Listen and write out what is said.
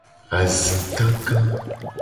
Azi kaka.